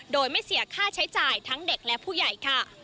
โดยไม่เสียค่าใช้จ่ายทั้งเด็กและผู้ใหญ่ค่ะ